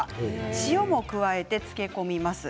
塩も加えて漬け込みます。